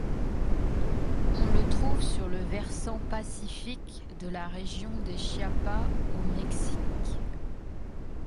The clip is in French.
On le trouve sur le versant Pacifique de la région des Chiapas au Mexique.